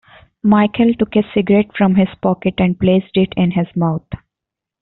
Michael took a cigarette from his pocket and placed it in his mouth.